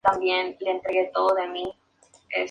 Martí nació en Buenos Aires.